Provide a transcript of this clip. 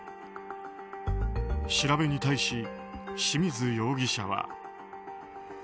調べに対し、清水容疑者は。